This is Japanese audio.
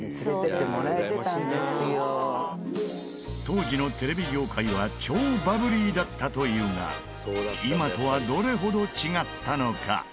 当時のテレビ業界は超バブリーだったというが今とはどれほど違ったのか？